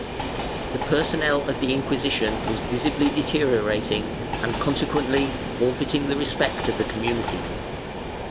^ The 'personnel of the Inquisition was visibly deteriorating and consequently forfeiting the respect of the community.